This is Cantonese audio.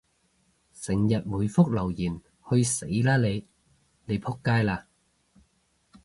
成日回覆留言，去死啦你！你仆街啦！